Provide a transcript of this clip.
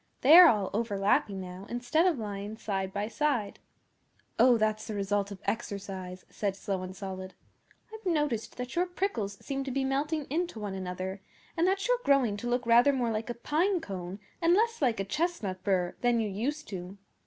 They are all overlapping now, instead of lying side by side.' 'Oh, that's the result of exercise,' said Slow and Solid. 'I've noticed that your prickles seem to be melting into one another, and that you're growing to look rather more like a pinecone, and less like a chestnut burr, than you used to.